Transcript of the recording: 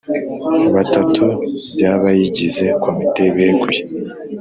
batatu by abayigize komite beguye